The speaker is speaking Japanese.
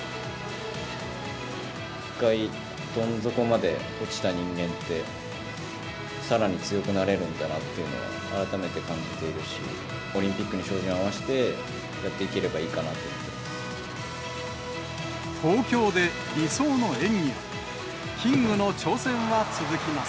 １回、どん底まで落ちた人間って、さらに強くなれるんだなっていうのは、改めて感じているし、オリンピックに照準を合わせて、やっていければいいかなと思ってます。